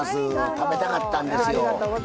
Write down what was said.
食べたかったんですよ。